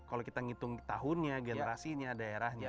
kalau kita ngitung tahunnya generasinya daerahnya